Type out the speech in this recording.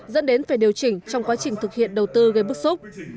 dẫn đến phải điều chỉnh trong quá trình thực hiện đầu tư gây bức xúc